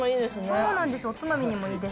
そうなんですよ。